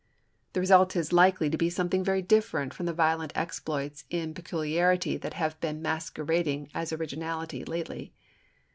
The result is likely to be something very different from the violent exploits in peculiarity that have been masquerading as originality lately.